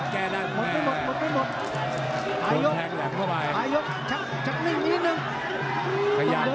แกนั่นแม่หมดไปหมดหมดไปหมด